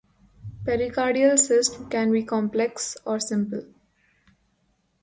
Pericardial cyst can be simple or complex.